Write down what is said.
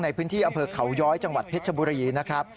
ในพื้นที่อำเภอเขาย้อยจังหวัดเพชรบุรีนะครับ